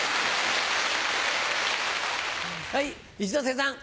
はい一之輔さん。